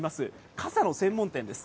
傘の専門店です。